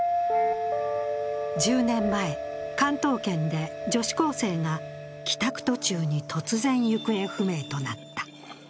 １０年前、関東圏で女子高生が帰宅途中に突然行方不明になった。